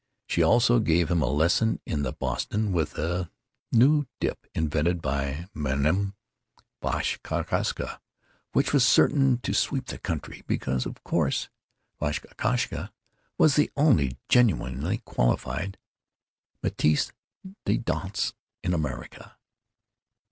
She also gave him a lesson in the Boston, with a new dip invented by Mme. Vashkowska, which was certain to sweep the country, because, of course, Vashkowska was the only genuinely qualified maîtresse de danse in America.